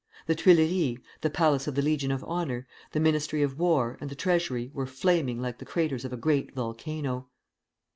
The Tuileries, the Palace of the Legion of Honor, the Ministry of War, and the Treasury were flaming like the craters of a great volcano.